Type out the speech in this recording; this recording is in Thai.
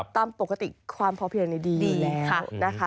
ตามปกติความพอเพียงดีอยู่แล้ว